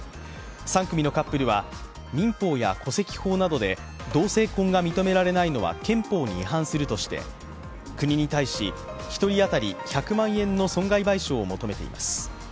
３組のカップルは民法や戸籍法などで同性婚が認められないのは憲法に違反するとして国に対し１人当たり１００万円の損害賠償を求めています。